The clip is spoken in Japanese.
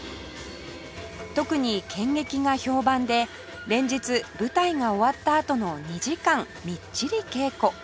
特に剣劇が評判で連日舞台が終わったあとの２時間みっちり稽古